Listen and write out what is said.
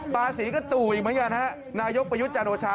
ภาษีก็ตู่อีกเหมือนกันฮะนายกประยุทธ์จันโอชา